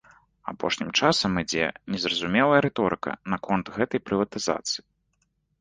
Апошнім часам ідзе незразумелая рыторыка наконт гэтай прыватызацыі.